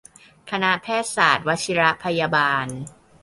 คณะแพทยศาสตร์วชิรพยาบาล